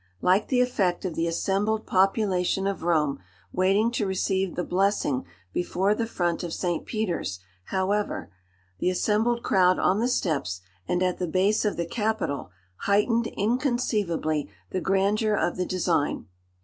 Like the effect of the assembled population of Rome waiting to receive the blessing before the front of St. Peter's, however, the assembled crowd on the steps and at the base of the Capitol, heightened inconceivably the grandeur of the design.